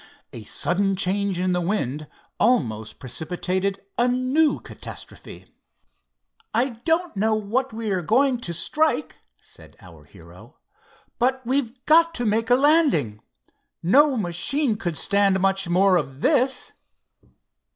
A sudden change in the wind almost precipitated a new catastrophe. "I don't know what we are going to strike," said our hero; "but we've got to make a landing. No machine could stand much more of this."